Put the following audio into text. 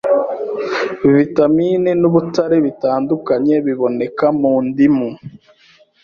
Vitamine n’ubutare bitandukanye biboneka mu ndimu,